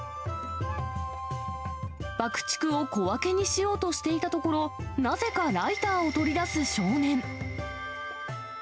爆竹を小分けにしようとしていたところ、なぜか、ライターを取り出す少年。